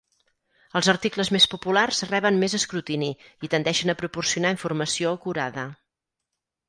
Els articles més populars reben més escrutini i tendeixen a proporcionar informació acurada.